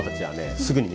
すぐにね